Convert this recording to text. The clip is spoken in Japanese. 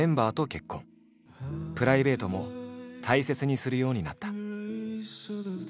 プライベートも大切にするようになった。